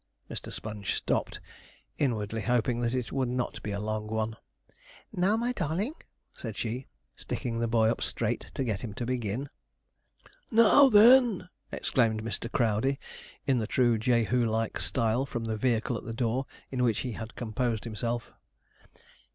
Mr. Sponge stopped inwardly hoping that it would not be a long one. 'Now, my darling,' said she, sticking the boy up straight to get him to begin. 'Now, then!' exclaimed Mr. Crowdey, in the true Jehu like style, from the vehicle at the door, in which he had composed himself.